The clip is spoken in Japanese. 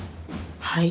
はい？